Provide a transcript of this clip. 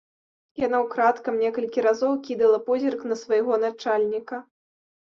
Яна ўкрадкам некалькі разоў кідала позірк на свайго начальніка.